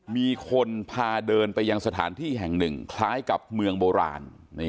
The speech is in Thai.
มีคนพาเดินไปยังสถานที่แห่งหนึ่งคล้ายกับเมืองโบราณ